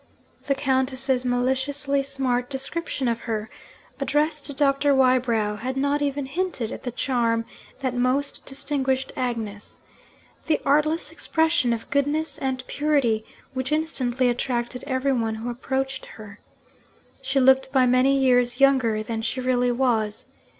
The Countess's maliciously smart description of her, addressed to Doctor Wybrow, had not even hinted at the charm that most distinguished Agnes the artless expression of goodness and purity which instantly attracted everyone who approached her. She looked by many years younger than she really was.